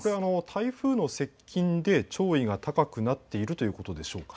台風の接近で潮位が高くなっているということでしょうか。